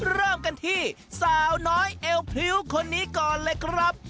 เริ่มกันที่สาวน้อยเอวพริ้วคนนี้ก่อนเลยครับ